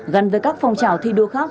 gắn với các phong trào thi đua khác